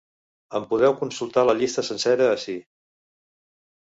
En podeu consultar la llista sencera ací.